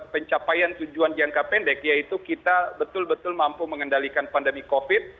pencapaian tujuan jangka pendek yaitu kita betul betul mampu mengendalikan pandemi covid